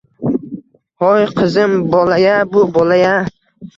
Hoy, qizim, bola-ya bu, bola-ya!